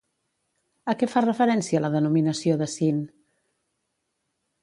A què fa referència la denominació de Syn?